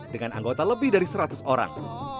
dengan anggota lebih dari seratus orang